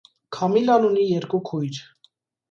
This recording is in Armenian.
Քամիլան ունի երկու քույր։